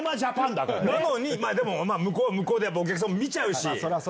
でも向こうは向こうでお客さんも見ちゃうし。